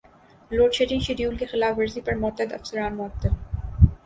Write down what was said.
load shedding schedule کی خلاف ورزی پر متعدد افسران معطل